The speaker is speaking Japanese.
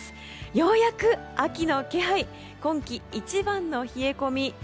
ようやく秋の気配今季一番の冷え込み。